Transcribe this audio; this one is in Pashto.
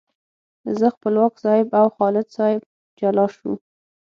زه، خپلواک صاحب او خالد صاحب جلا شوو.